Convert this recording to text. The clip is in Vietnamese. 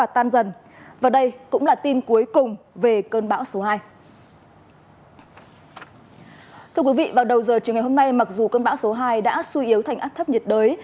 thưa quý vị vào đầu giờ chiều ngày hôm nay mặc dù cơn bão số hai đã suy yếu thành áp thấp nhiệt đới